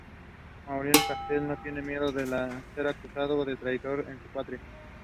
He was placed in Meath Hospital as an apprentice to Maurice Henry Colles.